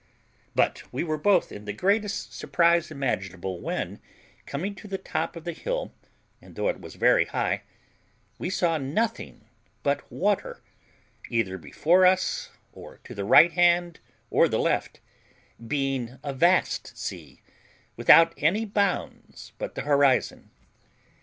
But we were both in the greatest surprise imaginable, when, coming to the top of the hill, and though it was very high, we saw nothing but water, either before us or to the right hand or the left, being a vast sea, without any bounds but the horizon.